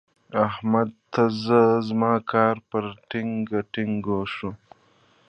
احمده! ته ځه؛ زما کار په ډينګ ډينګو شو.